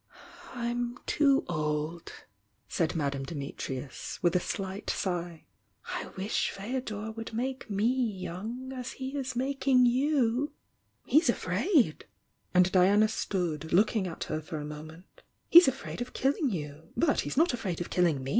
"I'm too old," said Madame Dimitrius, with a slight sigh. "I wish Feodor would make me young as he is making you!" "He's afraid!" and Diana stood, looking at her for a moment, "He's afraid of killing you! But he's not afraid of killing me!"